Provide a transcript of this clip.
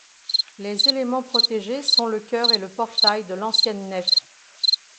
Les éléments protégés sont le chœur et le portail de l'ancienne nef.